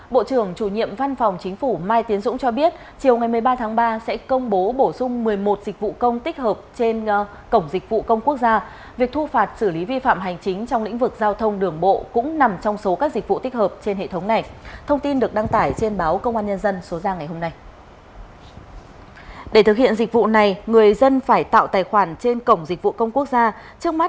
bộ trưởng chủ nhiệm văn phòng chính phủ mai tiến dũng cho biết chiều một mươi ba tháng ba sẽ công bố bổ sung một mươi một dịch vụ công tích hợp trên cổng dịch vụ công quốc gia